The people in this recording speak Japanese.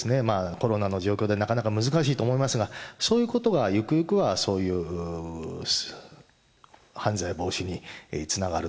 コロナの状況でなかなか難しいと思いますが、そういうことはゆくゆくは、そういう犯罪防止につながる。